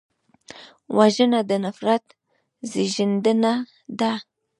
وژنه د نفرت زېږنده ده